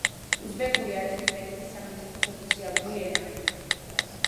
უზბეკური არის უზბეკეთის სახელმწიფოს ოფიციალური ენა.